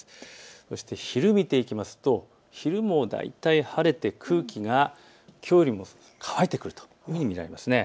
そして昼も見ていきますと昼も大体晴れて空気がきょうよりも乾いてくるというふうに見られます。